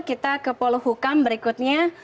kita ke polo hukum berikutnya